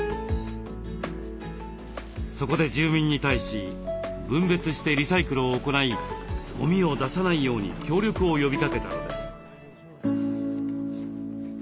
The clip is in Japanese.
そこで住民に対し分別してリサイクルを行いゴミを出さないように協力を呼びかけたのです。